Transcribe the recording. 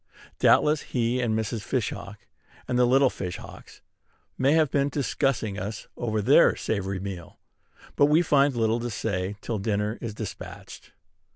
Doubtless he and Mrs. Fish hawk, and the little Fish hawks, may have been discussing us over their savory meal; but we find little to say till dinner is despatched.